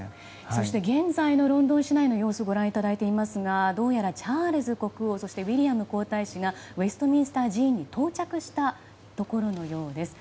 そして現在のロンドン市内の様子をご覧いただいていますがどうやらチャールズ国王そしてウィリアム皇太子がウェストミンスター寺院に到着したところのようです。